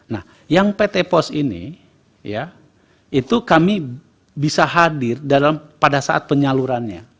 nah yang pt pos ini ya itu kami bisa hadir pada saat penyalurannya